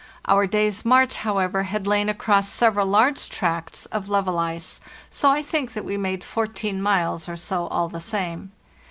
Our day's march, how ever, had lain across several large tracts of level ice, so I think that we made 14 miles or so all the same.